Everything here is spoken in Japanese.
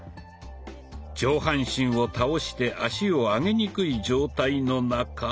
上半身を倒して足を上げにくい状態の中。